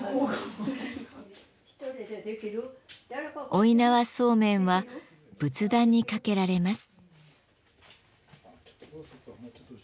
負い縄そうめんは仏壇に掛けられます。